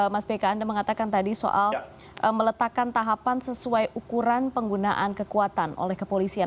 mas beka anda mengatakan tadi soal meletakkan tahapan sesuai ukuran penggunaan kekuatan oleh kepolisian